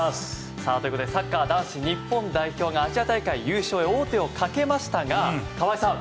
ということサッカー男子日本代表がアジア大会優勝へ王手をかけましたが川合さん